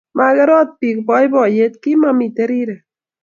Marekotpi boiboiyet komamiten rirek